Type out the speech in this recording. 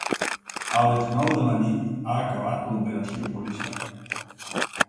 A les nou de la nit ha acabat l’operació policíaca.